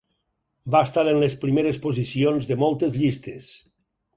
Va estar en les primeres posicions de moltes llistes.